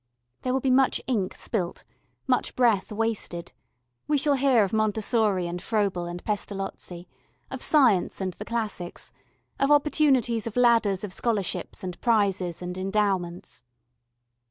There will be much ink spilt, much breath wasted; we shall hear of Montessori and Froebel and Pestalozzi, of Science and the Classics, of opportunities of ladders of scholarships and prizes and endowments.